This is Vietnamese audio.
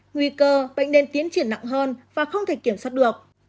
nguy cơ bệnh nên tiến triển nặng hơn và không thể kiểm soát được